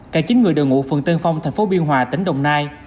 cả chín người đồ ngụ phường tân phong thành phố biên hòa tỉnh đồng nai